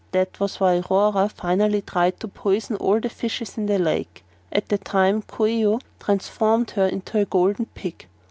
That was why Rora finally tried to poison all the fishes in the lake, at the time Coo ee oh transformed her into a Golden Pig.